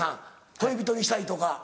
恋人にしたいとか。